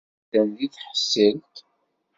Atan deg tḥeṣṣilt.